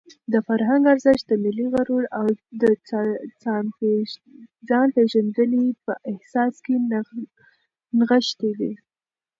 د فرهنګ ارزښت د ملي غرور او د ځانپېژندنې په احساس کې نغښتی دی.